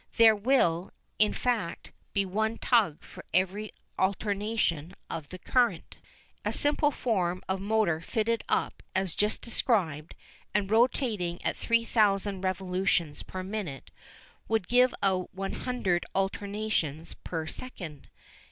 There will, in fact, be one tug for every alternation of the current. A simple form of motor fitted up as just described, and rotating at 3000 revolutions per minute, would give out 100 alternations per second.